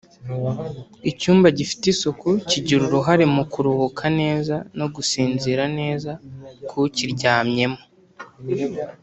icyumba gifite isuku kigira uruhare mu kuruhuka neza no gusinzira neza k’ukiryamyemo